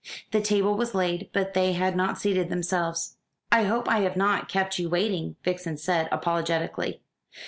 The table was laid, but they had not seated themselves. "I hope I have not kept you waiting," Vixen said apologetically.